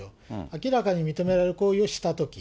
明らかに認められる行為をしたとき。